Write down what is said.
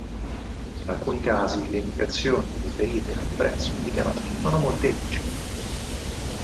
In alcuni casi, le indicazioni riferite al prezzo indicato sono molteplici.